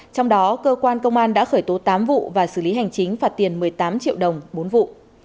trong đó cơ quan công an đã khởi tố tám vụ và xử lý hành chính phạt tiền một mươi tám triệu đồng bốn vụ